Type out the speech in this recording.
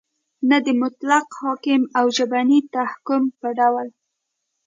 نه د مطلق حکم او ژبني تحکم په ډول